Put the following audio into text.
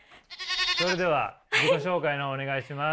それでは自己紹介の方お願いします。